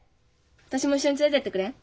私も一緒に連れてってくれん？